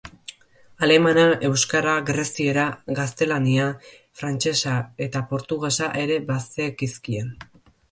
Alemana, euskara, greziera, gaztelania, frantsesa eta portugesa ere bazekizkien.